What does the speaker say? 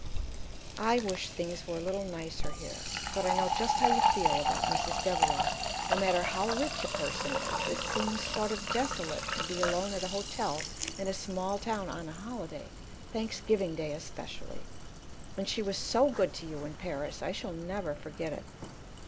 "I wish things were a little nicer here but I know just how you feel about Mrs. Devereaux. No matter how rich a person is, it seems sort of desolate to be alone at a hotel in a small town on a holiday Thanksgiving Day especially. And she was so good to you in Paris. I shall never forget it."